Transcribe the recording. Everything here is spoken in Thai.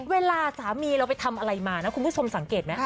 เวลาสามีเราไปทำอะไรมานะคุณผู้ชมสังเกตไหม